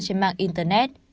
trên mạng internet